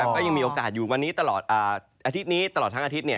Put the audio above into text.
ก็ยังมีโอกาสอยู่วันนี้ตลอดอาทิตย์นี้ตลอดทั้งอาทิตย์